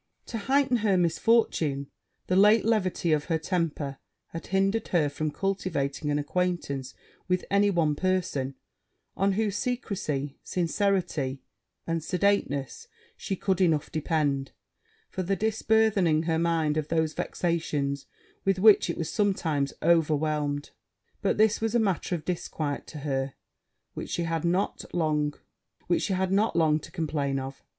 To heighten her misfortune, the late levity of her temper had hindered her from cultivating an acquaintance with any one person, on whose secrecy, sincerity, and sedateness, she could enough depend for the disburdening her mind of those vexations with which it was sometimes overwhelmed. But this was a matter of disquiet to her which she had not long to complain of.